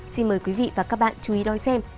xin mời quý vị và các bạn chú ý đón xem